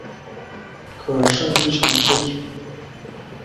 可升级成奔熊。